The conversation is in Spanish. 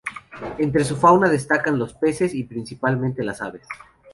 Entre su fauna destacan los peces, y principalmente las aves.